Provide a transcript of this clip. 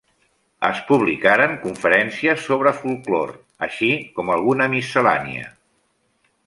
Es publicaren conferències sobre folklore, així com alguna miscel·lània.